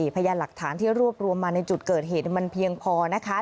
พยานหลักฐานที่รวบรวมมาในจุดเกิดเหตุมันเพียงพอนะคะ